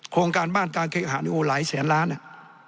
โครงการบ้านการเคหานี่โอ้หลายแสนล้านอ่ะ